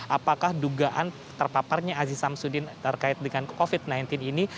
apakah dugaan terpaparnya aziz samsudin terkait dengan covid sembilan belas ini